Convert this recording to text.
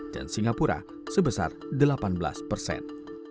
dan singapura sebesar delapan belas persen